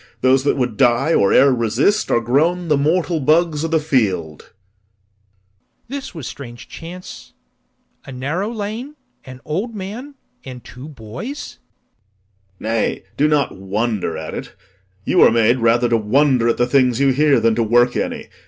Those that would die or ere resist are grown The mortal bugs o' th' field. LORD. This was strange chance: A narrow lane, an old man, and two boys. POSTHUMUS. Nay, do not wonder at it; you are made Rather to wonder at the things you hear Than to work any.